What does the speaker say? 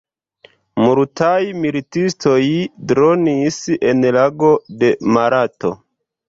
Multaj militistoj dronis en lago de Morato.